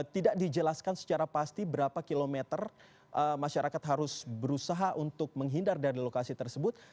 tidak dijelaskan secara pasti berapa kilometer masyarakat harus berusaha untuk menghindar dari lokasi tersebut